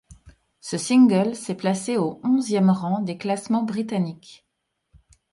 Ce single s’est placé au onzième rang des classements britanniques.